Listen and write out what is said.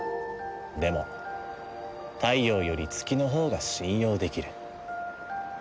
でも太陽より月のほうが信用できる。